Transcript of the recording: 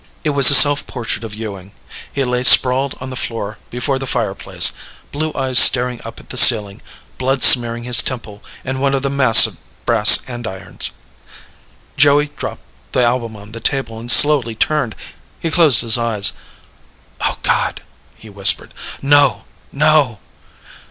It was a self portrait of Ewing. He lay sprawled on the floor before the fireplace, blue eyes staring up at the ceiling, blood smearing his temple and one of the massive brass andirons. Joey dropped the album on the table and slowly turned. He closed his eyes. "Oh, God!" he whispered. "No! No!"